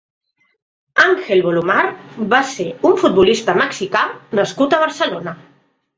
Ángel Bolumar va ser un futbolista mexicà nascut a Barcelona.